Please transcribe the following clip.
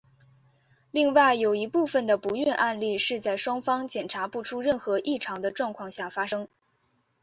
另外有一部分的不孕案例是在双方检查不出任何异常的状况下发生。